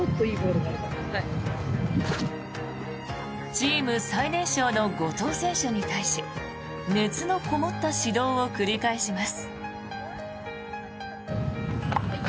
チーム最年少の後藤選手に対し熱のこもった指導を繰り返します。